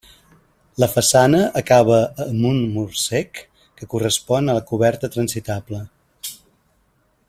La façana acaba amb un mur cec, que correspon a la coberta transitable.